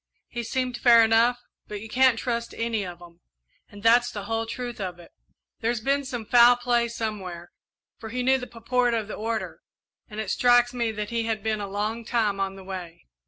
"He seemed fair enough, but you can't trust any of 'em and that's the whole truth of it. There's been some foul play somewhere, for he knew the purport of the order, and it strikes me that he had been a long time on the way."